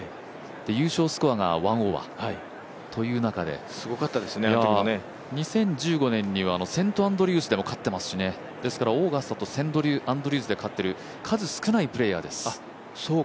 優勝スコアが１オーバーということで２０１５年にはセントアンドリュースでも勝ってますしオーガスタとセントアンドリュースで勝っているそうかそうか。